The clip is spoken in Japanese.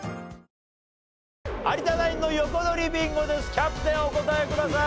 キャプテンお答えください。